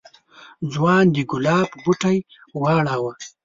ځوان د گلاب بوټی واړاوه.